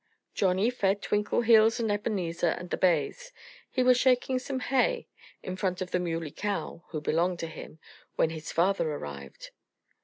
Johnnie fed Twinkleheels and Ebenezer and the bays. He was shaking some hay; in front of the Muley Cow (who belonged to him) when his father arrived.